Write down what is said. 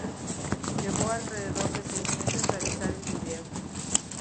Llevó alrededor de seis meses realizar el vídeo.